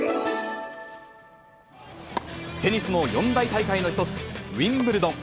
テニスの四大大会の一つ、ウィンブルドン。